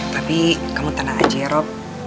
tapi kamu tenang aja ya rob